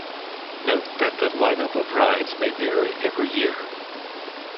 Note that the lineup of rides may vary every year.